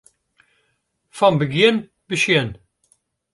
Fan begjin besjen.